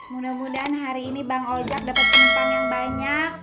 mudah mudahan hari ini bang ojek dapat penumpang yang banyak